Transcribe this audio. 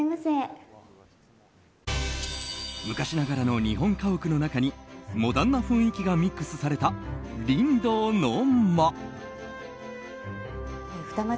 昔ながらの日本家屋の中にモダンな雰囲気がミックスされた竜胆の間。